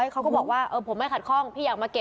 เขาก็บอกว่าผมไม่ขัดข้องพี่อยากมาเก็บ